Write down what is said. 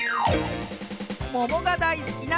ももがだいすきな